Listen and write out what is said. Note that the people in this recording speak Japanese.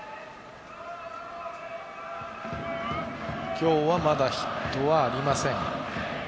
今日はまだヒットはありません。